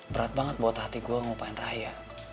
berat banget bawa takti gue ngelupain raya